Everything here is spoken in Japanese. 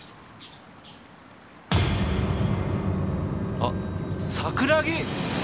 あっ桜木！